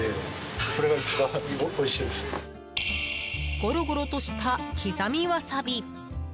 ゴロゴロとした刻みわさび。